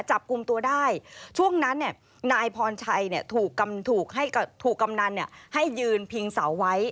จับกลุ่มตัวได้ช่วงนั้นนายพรชัยถูกกำนันให้ยืนพิงเสาไว้